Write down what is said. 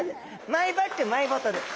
マイバッグマイボトル。